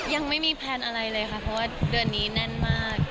ยังไม่มีแพลนอะไรเลยค่ะเพราะว่าเดือนนี้แน่นมาก